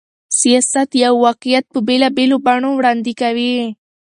سياست يو واقعيت په بېلابېلو بڼو وړاندې کوي.